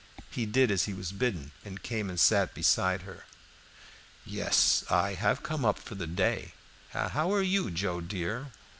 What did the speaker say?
He did as he was bidden, and came and sat beside her. "Yes, I nave come up for the day. How are you, Joe dear?